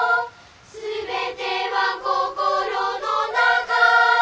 「すべては心の中にある」